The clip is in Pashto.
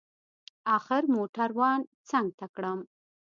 اخر موټروان څنگ ته کړم.